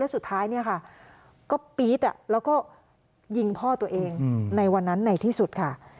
สุดท้ายเนี่ยค่ะก็ปี๊ดแล้วก็ยิงพ่อตัวเองในวันนั้นในที่สุดค่ะ